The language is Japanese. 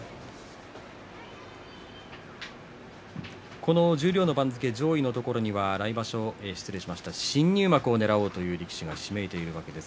この十両の番付上位のところには新入幕をねらう力士がひしめいています。